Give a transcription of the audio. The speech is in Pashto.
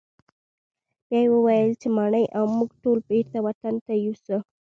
بیا یې وویل چې ماڼۍ او موږ ټول بیرته وطن ته یوسه.